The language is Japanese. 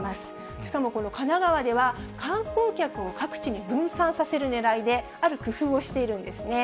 しかもこの神奈川では、観光客を各地に分散させるねらいで、ある工夫をしているんですね。